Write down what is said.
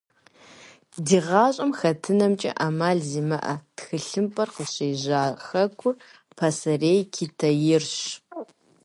Ди гъащӏэм хэтынымкӏэ ӏэмал зимыӏэ тхылъымпӏэр къыщежьа хэкур – Пасэрей Китаирщ.